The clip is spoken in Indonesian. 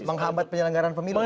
menghambat penyelenggaran pemilu